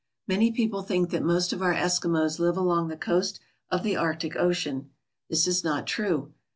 Many people think that most of our Eskimos live along the coast of the Arctic Ocean. This is not true.